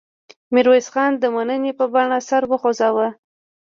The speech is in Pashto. میرویس خان د مننې په بڼه سر وخوځاوه.